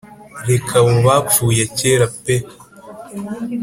reka abo abapfuye kera pee